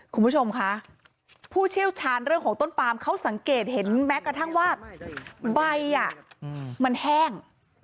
คุณผู้ชมคะผู้เชี่ยวชาญเรื่องของต้นปามเขาสังเกตเห็นแม้กระทั่งว่าใบมันแห้ง